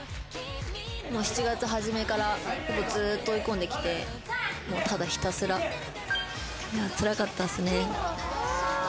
７月初めから、ずっと追い込んできて、ただひたすら辛かったっすね。